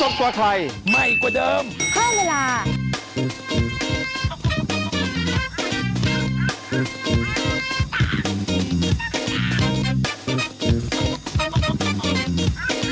โปรดติดตามตอนต่อไป